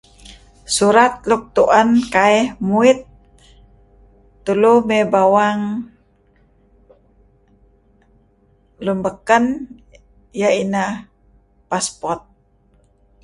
Surat luk tuen kai muit tulu me bawang lun baken iyeh ineh passport.